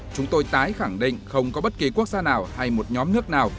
chúng tôi tái khẳng định không có bất kỳ quốc gia nào hay một nhóm nước nào